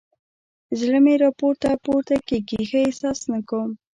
زړه مې راپورته پورته کېږي؛ ښه احساس نه کوم.